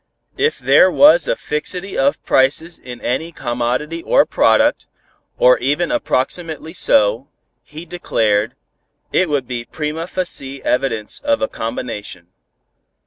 If there was a fixity of prices in any commodity or product, or even approximately so, he declared, it would be prima facie evidence of a combination.